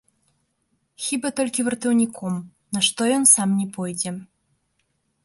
Хіба толькі вартаўніком, на што ён сам не пойдзе.